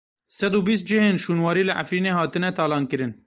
Sed û bîst cihên şûnwarî li Efrînê hatine talankirin.